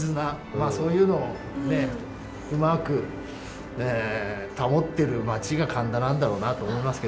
まあそういうのをねうまく保ってる町が神田なんだろうなと思いますけどね。